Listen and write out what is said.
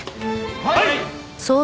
はい！